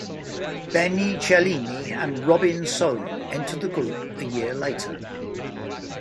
Benni Cellini and Robin Sohn entered the group a year later.